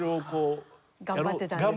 頑張ってたんですね。